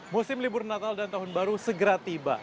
musim libur natal dan tahun baru segera tiba